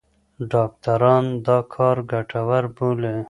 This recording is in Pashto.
ډاکټران دا کار ګټور بولي.